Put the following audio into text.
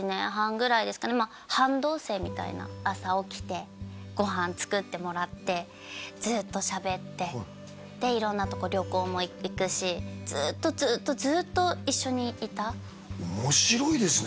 まあ半同棲みたいな朝起きてご飯作ってもらってずっとしゃべって色んなとこ旅行も行くしずっとずっとずっと一緒にいた面白いですね